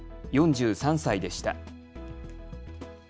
４３歳でした。